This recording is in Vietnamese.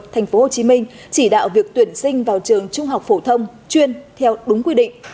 tp hcm chỉ đạo việc tuyển sinh vào trường trung học phổ thông chuyên theo đúng quy định